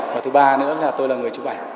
và thứ ba nữa là tôi là người chụp ảnh